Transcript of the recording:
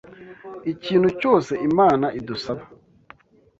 Ikintu cyose Imana idusaba